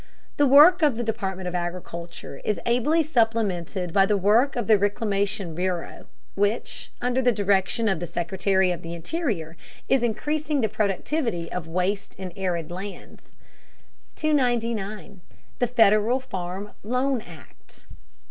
The work of the Department of Agriculture is ably supplemented by the work of the Reclamation Bureau, which, under the direction of the Secretary of the Interior, is increasing the productivity of waste and arid lands. 299. THE FEDERAL FARM LOAN ACT.